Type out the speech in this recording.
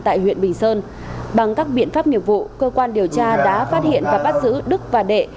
tại huyện bình sơn bằng các biện pháp nghiệp vụ cơ quan điều tra đã phát hiện và bắt giữ đức và đệ